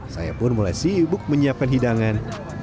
saya pun mulai sibuk menyiapkan hidangan